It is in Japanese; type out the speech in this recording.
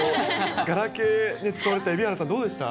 ガラケー使われてた蛯原さん、どうでした？